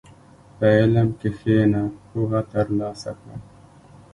په علم کښېنه، پوهه ترلاسه کړه.